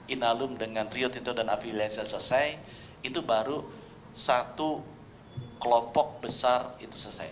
inalum dengan rio tito dan afiliasi selesai itu baru satu kelompok besar itu selesai